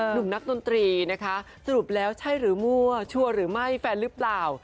หนุ่มนักดนตรีนะคะสรุปแล้วใช่หรือมั่วชัวร์หรือไม่แฟนหรือเปล่า